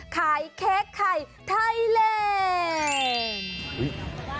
ขายเค้กไครไทแลนด์